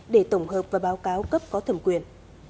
để tổng hợp và báo cáo cấp có thẩm quyền